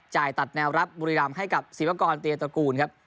จ่ายตัดแนวรับบุรีรามให้กับศิษยากรเตียร์ตระกูลครับ